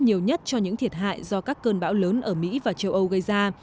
nhiều nhất cho những thiệt hại do các cơn bão lớn ở mỹ và châu âu gây ra